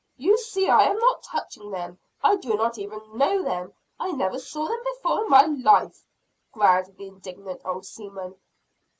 you see I am not touching them. I do not even know them; I never saw them before in my life," growled the indignant old seaman.